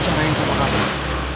bangain keluarga kan bisa